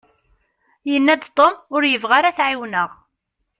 Yanna-d Tom ur yebɣi ara ad t-ɛiwneɣ.